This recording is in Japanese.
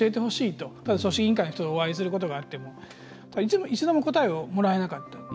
組織委員会の人にお会いすることがあっても一度も答えをもらえなかった。